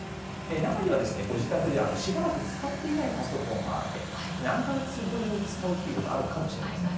中にはご自宅でしばらく使っていないパソコンがあって何か月ぶりに使うということがあるかもしれません。